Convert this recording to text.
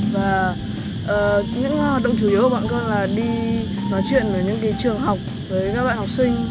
và những hoạt động chủ yếu của bọn con là đi nói chuyện với những trường học với các bạn học sinh